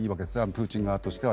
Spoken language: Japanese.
プーチン側としては。